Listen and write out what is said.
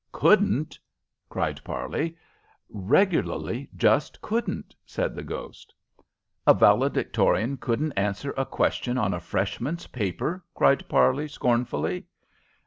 "Couldn't?" cried Parley. "Regularly just couldn't," said the ghost. "A valedictorian couldn't answer a question on a Freshman's paper?" cried Parley, scornfully.